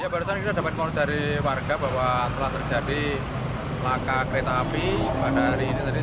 barusan kita dapat mulai dari warga bahwa telah terjadi laka kereta api pada hari ini tadi